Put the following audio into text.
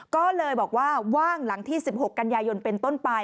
ก็เลยบอกว่าว่างหลังที่๑๖กันยายนเป็นต้นไป